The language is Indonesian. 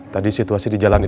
tadi situasi di jakarta ini